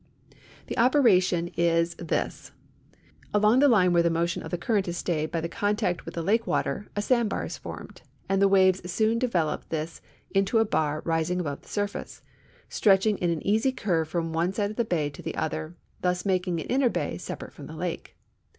The operation is this : Along the line where the motion of the current is stayed by the contact with the lake water a sandbar is formed and the waves soon develop this into a bar rising above the surface, stretching in an easy curve from one side of the bay to the other, thus making an inner bay separate from the lake.